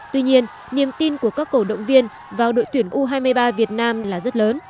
tuy nhiên niềm tin của các cổ động viên vào đội tuyển u hai mươi ba việt nam là rất lớn